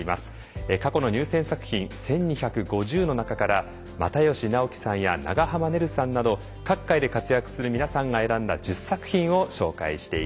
過去の入選作品１，２５０の中から又吉直樹さんや長濱ねるさんなど各界で活躍する皆さんが選んだ１０作品を紹介していきます。